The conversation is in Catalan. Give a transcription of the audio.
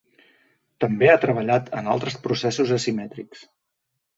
També ha treballat en altres processos asimètrics.